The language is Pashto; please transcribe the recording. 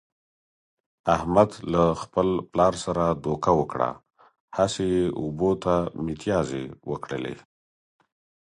احمد له خپل پلار سره دوکه وکړه، هسې یې اوبو ته متیازې و کړلې.